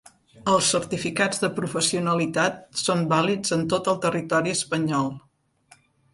Els certificats de professionalitat són vàlids en tot el territori espanyol.